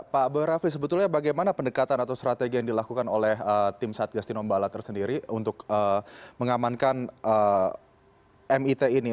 pak abdul rafi sebetulnya bagaimana pendekatan atau strategi yang dilakukan oleh tim satgas tinombala tersendiri untuk mengamankan mit ini